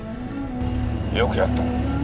よくやった。